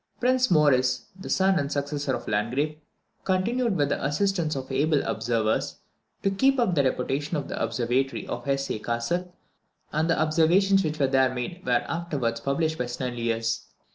Prince Maurice, the son and successor of the Landgrave, continued, with the assistance of able observers, to keep up the reputation of the observatory of Hesse Cassel; and the observations which were there made were afterwards published by Snellius.